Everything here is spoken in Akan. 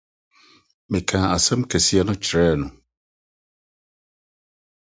Mekaa asɛm kɛse no kyerɛɛ no.